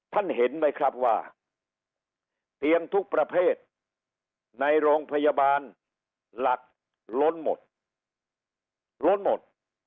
เห็นไหมครับว่าเตียงทุกประเภทในโรงพยาบาลหลักล้นหมดล้นหมด